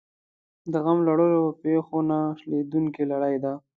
د غم لړلو پېښو نه شلېدونکې لړۍ ده.